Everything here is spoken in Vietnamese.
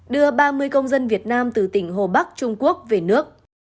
đưa ba mươi công dân việt nam từ tỉnh hồ bắc trung quốc về nước